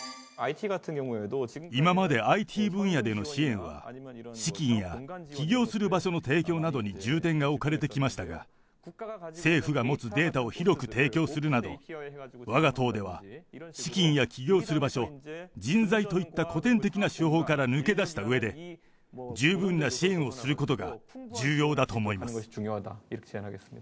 今までＩＴ分野での支援は、資金や起業する場所の提供などに重点が置かれてきましたが、政府が持つデータを広く提供するなど、わが党では、資金や起業する場所、人材といった古典的な手法から抜け出したうえで、十分な支援をすることが重要だと思います。